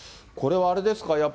これはあれですか？